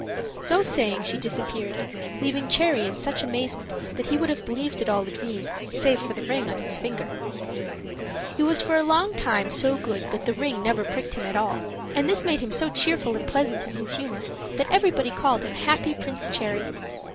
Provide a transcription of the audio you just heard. So saying, she disappeared, leaving Cherry in such amazement that he would have believed it all a dream, save for the ring on his finger. He was for a long time so good that the ring never pricked him at all; and this made him so cheerful and pleasant in his humor that everybody called him "Happy Prince Cherry."